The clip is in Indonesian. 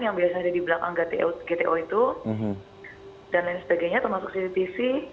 yang biasa ada di belakang gto itu dan lain sebagainya termasuk cctv